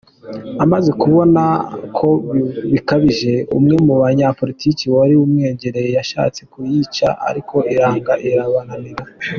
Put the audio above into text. Amaze kubona ko bikabije, umwe mu banyapolitiki wari umwegereye yashatse kuyica ariko iranga irabananira.